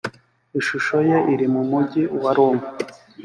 ishusho ye iri mu mugi wa roma